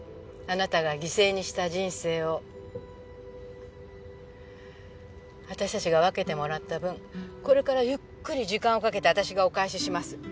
あなたが犠牲にした人生を私たちが分けてもらった分これからゆっくり時間をかけて私がお返しします。